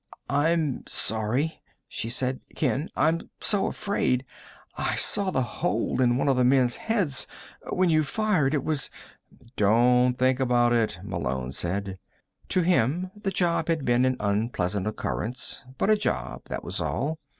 "I'm sorry," she said. "Ken I'm so afraid. I saw the hole in one of the men's heads, when you fired ... it was " "Don't think about it," Malone said. To him, the job had been an unpleasant occurrence, but a job, that was all.